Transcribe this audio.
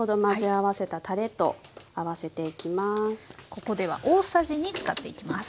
ここでは大さじ２使っていきます。